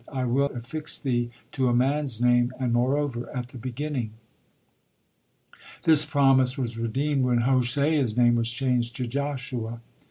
I will not affix thee to a man's name, and, moreover, at the beginning." This promise was redeemed when Hoshea's name was changed to Joshua.